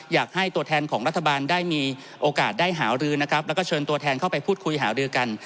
อยากให้ตัวแทนของรัฐบาลได้มีโอกาสได้หารือนะครับแล้วก็เชิญตัวแทนเข้าไปพูดคุยหารือกัน